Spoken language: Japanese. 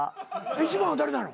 一番は誰なの？